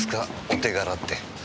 お手柄って。